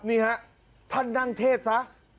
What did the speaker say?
นี่ฮะท่านนั่งเทศซะ